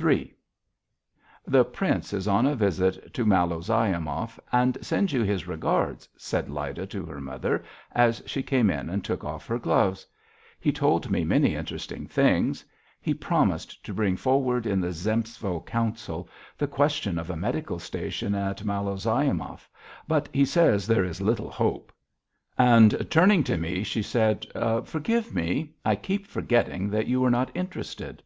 III "The Prince is on a visit to Malozyomov and sends you his regards," said Lyda to her mother, as she came in and took off her gloves. "He told me many interesting things. He promised to bring forward in the Zemstvo Council the question of a medical station at Malozyomov, but he says there is little hope." And turning to me, she said: "Forgive me, I keep forgetting that you are not interested."